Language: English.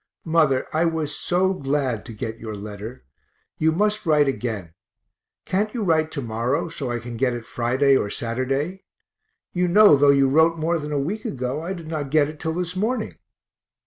Mother, I was so glad to get your letter; you must write again can't you write to morrow, so I can get it Friday or Saturday? you know though you wrote more than a week ago I did not get it till this morning.